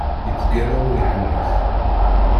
Yettgalla ur iḥennet!